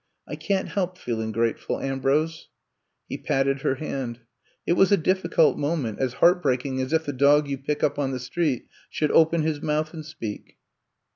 I can 't help feeling grate ful, Ambrose." He patted her hand. It was a difScult moment, as heart breaking as if the dog you pick up on the street should open his mouth and speak.